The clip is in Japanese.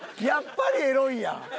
やっぱりエロいやん！